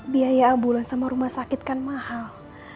biaya abulah sama rumah sakit kan mahal